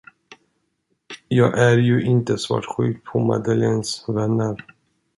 Jag är ju inte svartsjuk på Madeleines vänner.